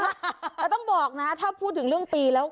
แล้วต้องบอกนะถ้าพูดถึงเรื่องปีแล้ว